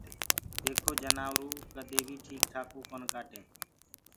ديکو جنآوروُ ڪدي بيٚ ٺيڪ ٺآڪوُ ڪونآ ڪآٽي